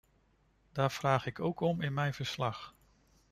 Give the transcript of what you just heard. Daar vraag ik dan ook om in mijn verslag.